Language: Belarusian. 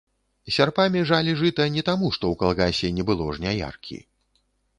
Сярпамі жалі жыта не таму, што ў калгасе не было жняяркі.